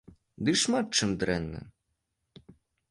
Ды шмат чым дрэнны.